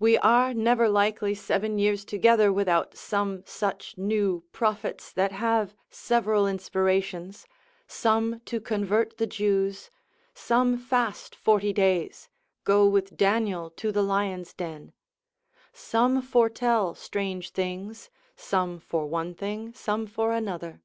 We are never likely seven years together without some such new prophets that have several inspirations, some to convert the Jews, some fast forty days, go with Daniel to the lion's den; some foretell strange things, some for one thing, some for another.